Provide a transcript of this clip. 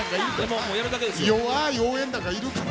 弱い応援団がいるから。